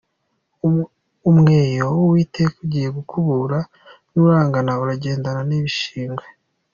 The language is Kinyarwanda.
Umweyo w’Uwiteka ugiye gukubura nurangara uragendana n’ibishingwe”.